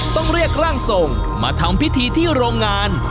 ต้องเรียกร่างทรงมาทำพิธีที่โรงงาน